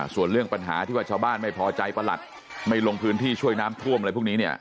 ส่วนเรื่องปัญหาที่ว่าชาวบ้านไม่พอใจประหลัดไม่ลงพื้นที่ช่วยน้ำท่วมอะไรพวกนี้เนี่ย